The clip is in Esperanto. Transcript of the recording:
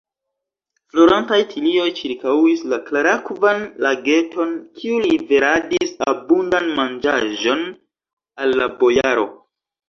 Florantaj tilioj ĉirkaŭis la klarakvan lageton, kiu liveradis abundan manĝaĵon al la bojaro.